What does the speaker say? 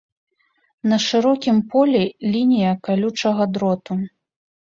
На шырокім полі лінія калючага дроту.